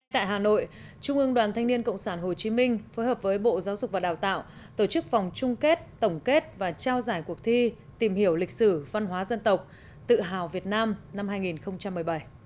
tại hà nội trung ương đoàn thanh niên cộng sản hồ chí minh phối hợp với bộ giáo dục và đào tạo tổ chức vòng chung kết tổng kết và trao giải cuộc thi tìm hiểu lịch sử văn hóa dân tộc tự hào việt nam năm hai nghìn một mươi bảy